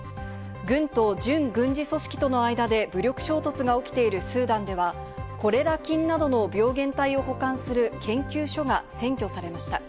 軍と準軍事組織との間で武力衝突が起きているスーダンではコレラ菌などの病原体を保管する研究所が占拠されました。